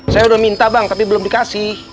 saya udah minta bang tapi belum dikasih